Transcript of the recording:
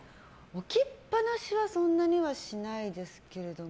置きっぱなしはそんなにはしないですけれども。